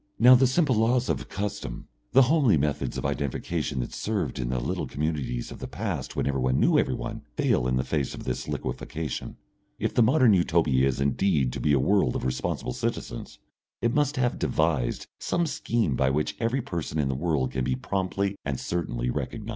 Now the simple laws of custom, the homely methods of identification that served in the little communities of the past when everyone knew everyone, fail in the face of this liquefaction. If the modern Utopia is indeed to be a world of responsible citizens, it must have devised some scheme by which every person in the world can be promptly and certainly recognised, and by which anyone missing can be traced and found.